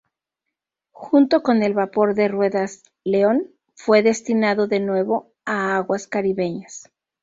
Junto con el vapor de ruedas "León", fue destinado de nuevo a aguas caribeñas.